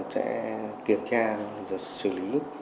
sẽ kiểm tra và xử lý